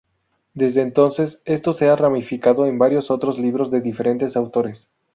Desde entonces esto se ha ramificado en varios otros libros de diferentes autores.